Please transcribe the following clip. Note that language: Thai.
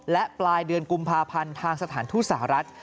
และปลายเดือนกุมภาพันธ์ทางสถานทูตสหรัฐ